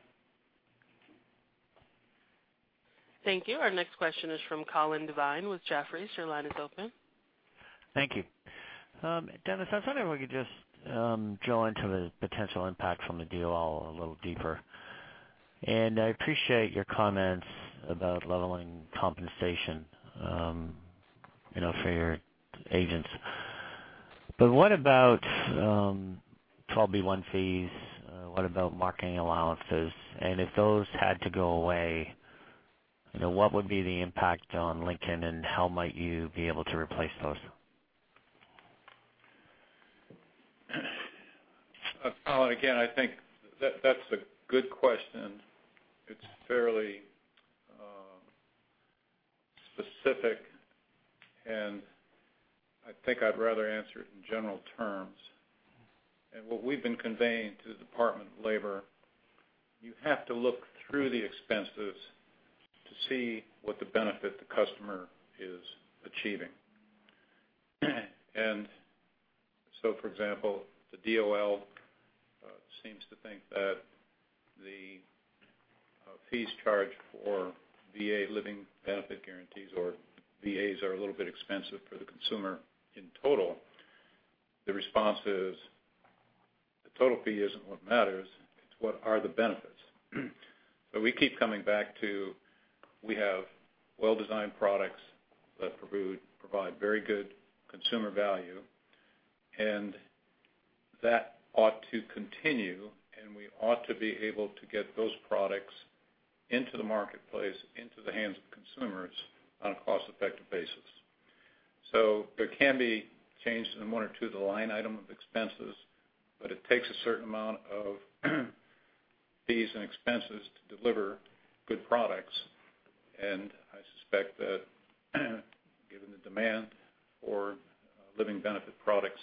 S1: Thank you. Our next question is from Colin Devine with Jefferies. Your line is open.
S9: Thank you. Dennis, I was wondering if we could just drill into the potential impact from the DOL a little deeper. I appreciate your comments about leveling compensation for your agents. What about 12b-1 fees? What about marketing allowances? If those had to go away, what would be the impact on Lincoln and how might you be able to replace those?
S3: I think that's a good question. It's fairly specific, I think I'd rather answer it in general terms. What we've been conveying to the Department of Labor, you have to look through the expenses to see what the benefit the customer is achieving. For example, the DOL seems to think that the fees charged for VA living benefit guarantees or VAs are a little bit expensive for the consumer in total. The response is, the total fee isn't what matters, it's what are the benefits. We keep coming back to, we have well-designed products that provide very good consumer value, that ought to continue, and we ought to be able to get those products into the marketplace, into the hands of consumers on a cost-effective basis. There can be changes in one or two of the line item of expenses, but it takes a certain amount of fees and expenses to deliver good products. I suspect that given the demand for living benefit products,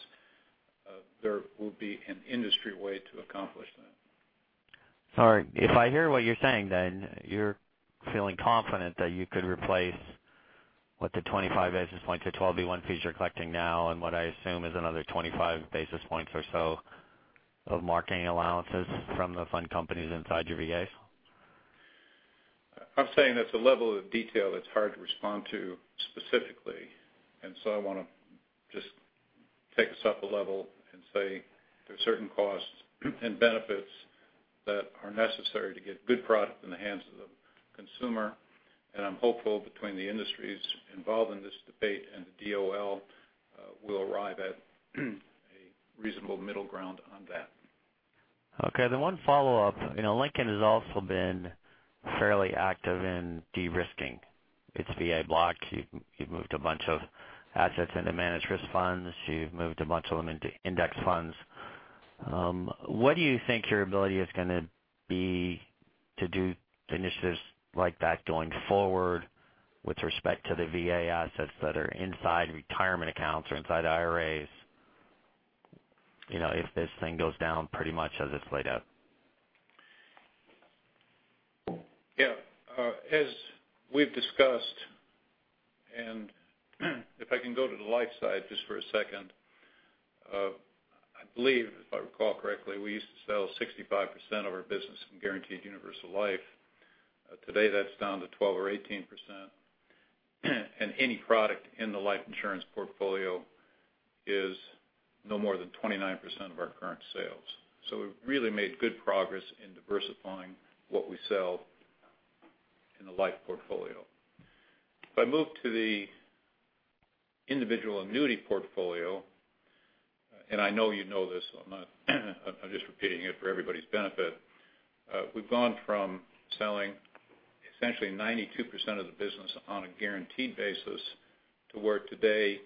S3: there will be an industry way to accomplish that.
S9: Sorry, if I hear what you're saying, you're feeling confident that you could replace what the 25 basis points, the 12b-1 fees you're collecting now, and what I assume is another 25 basis points or so of marketing allowances from the fund companies inside your VAs?
S3: I'm saying that's a level of detail that's hard to respond to specifically. I want to just take us up a level and say there are certain costs and benefits that are necessary to get good product in the hands of the consumer. I'm hopeful between the industries involved in this debate and the DOL, we'll arrive at a reasonable middle ground on that.
S9: Okay, one follow-up. Lincoln has also been fairly active in de-risking its VA block. You've moved a bunch of assets into managed risk funds. You've moved a bunch of them into index funds. What do you think your ability is going to be to do initiatives like that going forward with respect to the VA assets that are inside retirement accounts or inside IRAs, if this thing goes down pretty much as it's laid out?
S3: Yeah. As we've discussed, if I can go to the life side just for a second, I believe if I recall correctly, we used to sell 65% of our business in guaranteed universal life. Today, that's down to 12% or 18%. Any product in the life insurance portfolio is no more than 29% of our current sales. We've really made good progress in diversifying what we sell in the life portfolio. If I move to the individual annuity portfolio, I know you know this, I'm just repeating it for everybody's benefit. We've gone from selling essentially 92% of the business on a guaranteed basis to where today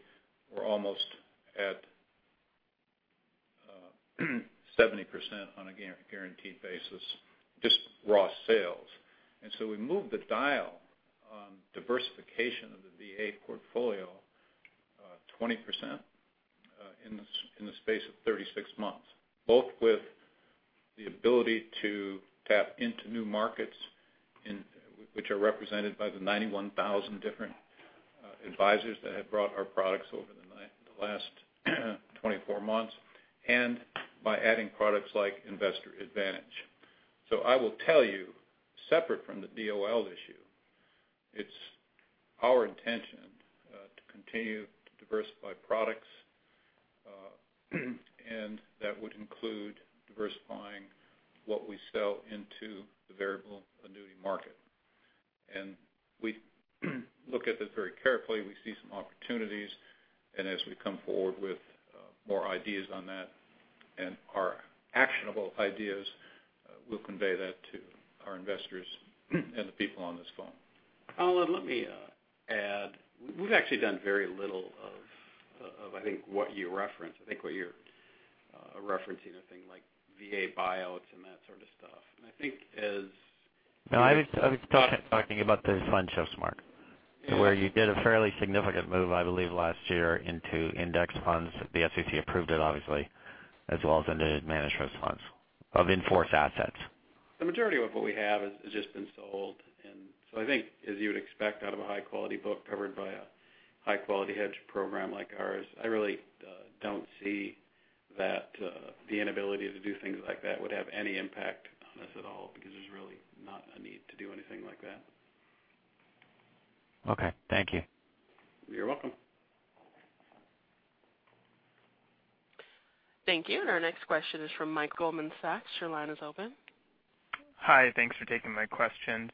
S3: we're almost at 70% on a guaranteed basis, just raw sales. We moved the dial on diversification of the VA portfolio 20% in the space of 36 months, both with the ability to tap into new markets, which are represented by the 91,000 different advisors that have brought our products over the last 24 months, and by adding products like Investor Advantage. I will tell you, separate from the DOL issue, it's our intention to continue to diversify products, and that would include diversifying what we sell into the variable annuity market. We look at this very carefully. We see some opportunities, and as we come forward with more ideas on that and are actionable ideas, we'll convey that to our investors and the people on this phone.
S4: Colin, let me add, we've actually done very little of I think what you referenced. I think what you're referencing a thing like VA buyouts and that sort of stuff.
S9: No, I was talking about the fund shifts, Mark.
S4: Yeah.
S9: Where you did a fairly significant move, I believe, last year into index funds. The SEC approved it, obviously, as well as into managed risk funds of in-force assets.
S4: The majority of what we have has just been sold. I think as you would expect out of a high-quality book covered by a high-quality hedge program like ours, I really don't see that the inability to do things like that would have any impact on us at all because there's really not a need to do anything like that.
S9: Okay. Thank you.
S4: You're welcome.
S1: Thank you. Our next question is from Mike, Goldman Sachs. Your line is open.
S10: Hi. Thanks for taking my question.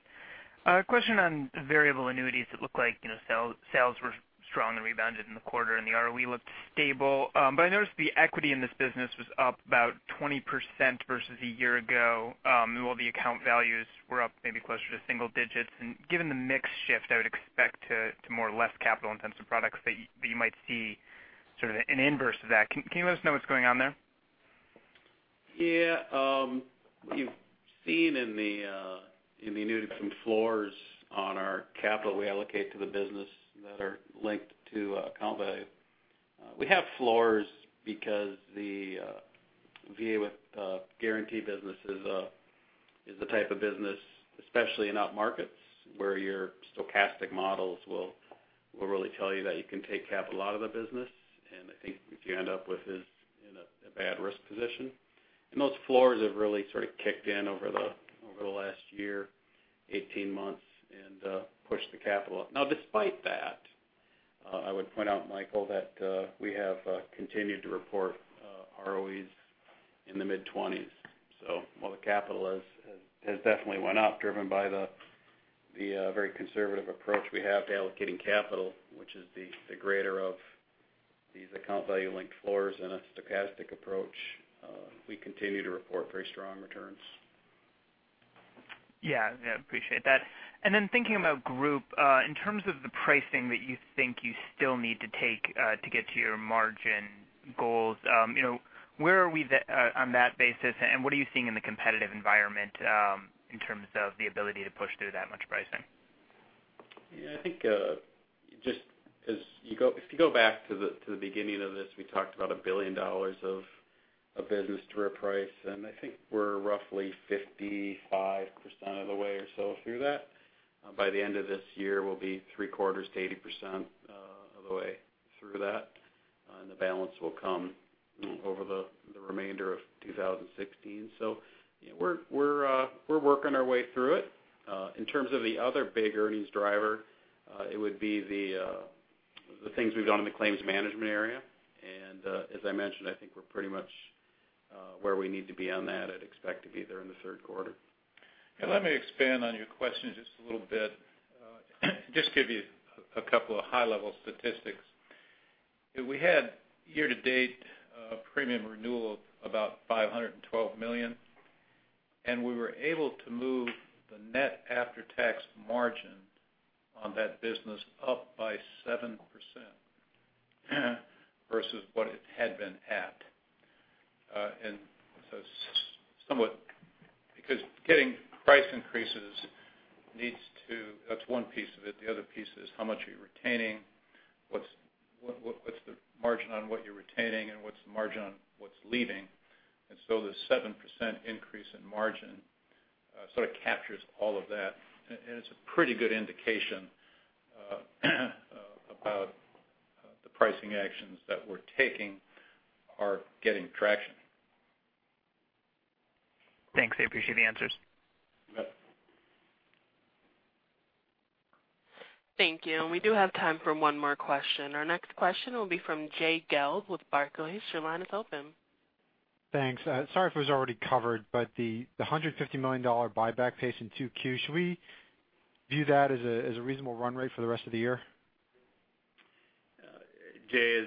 S10: A question on variable annuities. It looked like sales were strong and rebounded in the quarter and the ROE looked stable. I noticed the equity in this business was up about 20% versus a year ago, while the account values were up maybe closer to single digits. Given the mix shift, I would expect to more or less capital-intensive products that you might see sort of an inverse of that. Can you let us know what's going on there?
S4: Yeah. You've seen in the new floors on our capital we allocate to the business that are linked to account value. We have floors because the VA with guarantee business is a type of business, especially in up markets where your stochastic models will really tell you that you can take capital out of the business, and the thing that you end up with is in a bad risk position. Those floors have really sort of kicked in over the last year, 18 months, and pushed the capital up. Now, despite that, I would point out, Michael, that we have continued to report ROEs in the mid-20s. While the capital has definitely went up, driven by the very conservative approach we have to allocating capital, which is the greater of these account value linked floors in a stochastic approach, we continue to report very strong returns.
S10: Yeah. I appreciate that. Thinking about Group, in terms of the pricing that you think you still need to take to get to your margin goals, where are we on that basis, and what are you seeing in the competitive environment in terms of the ability to push through that much pricing?
S4: Yeah, I think if you go back to the beginning of this, we talked about $1 billion of business to reprice, I think we're roughly 55% of the way or so through that. By the end of this year, we'll be three quarters to 80% of the way through that, the balance will come over the remainder of 2016. We're working our way through it. In terms of the other big earnings driver, it would be the things we've done in the claims management area. As I mentioned, I think we're pretty much where we need to be on that and expect to be there in the third quarter.
S3: Let me expand on your question just a little bit. Just to give you a couple of high-level statistics. We had year-to-date premium renewal of about $512 million, we were able to move the net after-tax margin on that business up by 7% versus what it had been at. Because getting price increases, that's one piece of it. The other piece is how much are you retaining? What's the margin on what you're retaining and what's the margin on what's leaving? The 7% increase in margin sort of captures all of that, and it's a pretty good indication about the pricing actions that we're taking are getting traction.
S10: Thanks. I appreciate the answers.
S4: You bet.
S1: Thank you. We do have time for one more question. Our next question will be from Jay Gelb with Barclays. Your line is open.
S11: Thanks. Sorry if it was already covered, the $150 million buyback pace in 2Q, should we view that as a reasonable run rate for the rest of the year?
S4: Jay,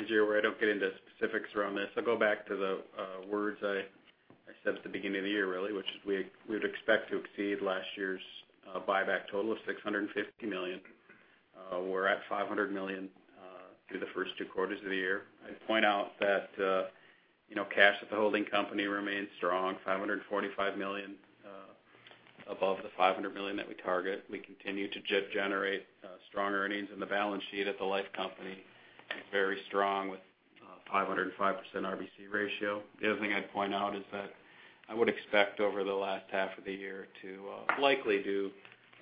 S4: as you're aware, I don't get into specifics around this. I'll go back to the words I said at the beginning of the year, really, which is we would expect to exceed last year's buyback total of $650 million. We're at $500 million through the first two quarters of the year. I'd point out that cash at the holding company remains strong, $545 million above the $500 million that we target. We continue to generate strong earnings in the balance sheet at the life company, very strong with 505% RBC ratio. The other thing I'd point out is that I would expect over the last half of the year to likely do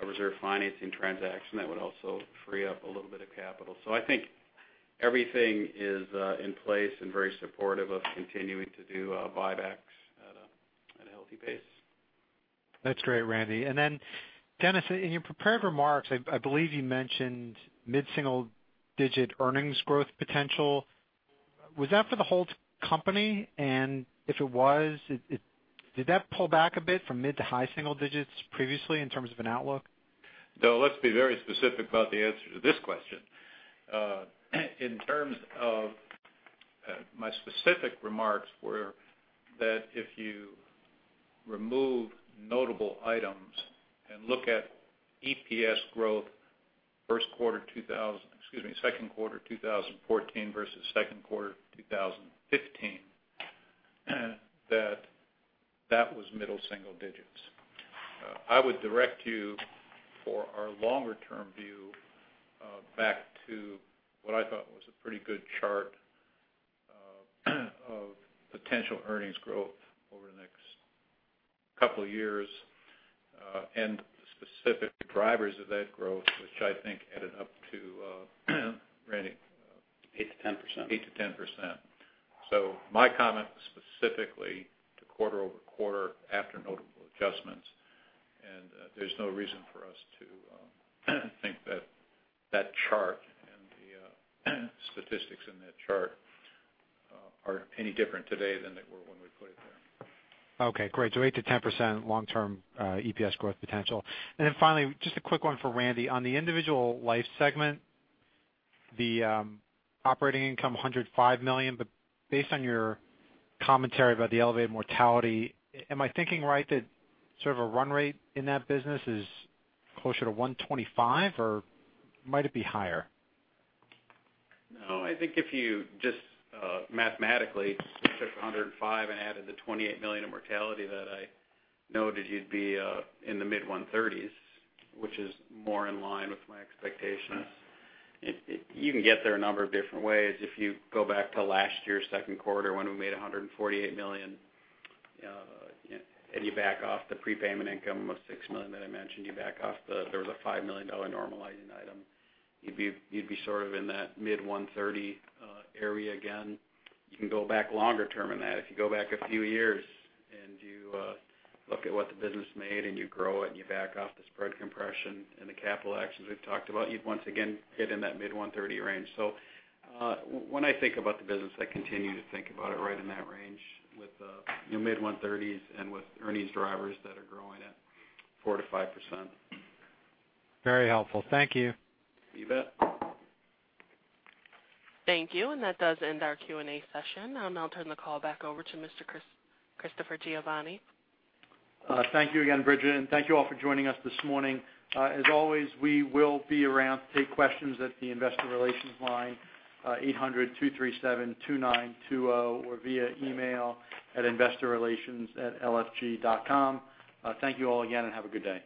S4: a reserve financing transaction that would also free up a little bit of capital. I think everything is in place and very supportive of continuing to do buybacks at a healthy pace.
S11: That's great, Randy. Dennis, in your prepared remarks, I believe you mentioned mid-single-digit earnings growth potential. Was that for the whole company? If it was, did that pull back a bit from mid-to-high single digits previously in terms of an outlook?
S3: No, let's be very specific about the answer to this question. In terms of my specific remarks were that if you remove notable items and look at EPS growth second quarter 2014 versus second quarter 2015, that that was mid-single digits. I would direct you for our longer-term view back to what I thought was a pretty good chart of potential earnings growth over the next couple of years, the specific drivers of that growth, which I think added up to, Randy?
S4: 8%-10%.
S3: 8%-10%. My comment was specifically to quarter-over-quarter after notable adjustments. There's no reason for us to think that that chart and the statistics in that chart are any different today than they were when we put it there.
S11: Okay, great. 8%-10% long-term EPS growth potential. Finally, just a quick one for Randy. On the individual life segment, the operating income $105 million. Based on your commentary about the elevated mortality, am I thinking right that sort of a run rate in that business is closer to $125 million, or might it be higher?
S4: No, I think if you just mathematically took $105 million and added the $28 million in mortality that I noted, you'd be in the mid-$130s, which is more in line with my expectations. You can get there a number of different ways. If you go back to last year's second quarter when we made $148 million, you back off the prepayment income of $6 million that I mentioned, you back off the $5 million normalizing item, you'd be sort of in that mid-$130 area again. You can go back longer term than that. If you go back a few years and you look at what the business made and you grow it and you back off the spread compression and the capital actions we've talked about, you'd once again get in that mid-$130 range. When I think about the business, I continue to think about it right in that range with mid-$130s and with earnings drivers that are growing at 4%-5%.
S11: Very helpful. Thank you.
S4: You bet.
S1: Thank you. That does end our Q&A session. I'll now turn the call back over to Mr. Christopher Giovanni.
S2: Thank you again, Bridget, thank you all for joining us this morning. As always, we will be around to take questions at the Investor Relations line, 800-237-2920 or via email at InvestorRelations@LFG.com. Thank you all again, have a good day.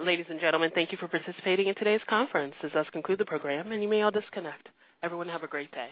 S1: Ladies and gentlemen, thank you for participating in today's conference. This does conclude the program, you may all disconnect. Everyone have a great day